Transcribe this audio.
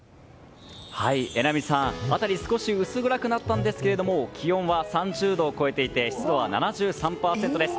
榎並さん、辺り少し薄暗くなったんですけども気温は３０度を超えていて湿度は７３％です。